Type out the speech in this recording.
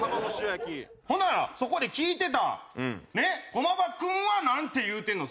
ほんならそこで聞いてた駒場君はなんて言うてんの？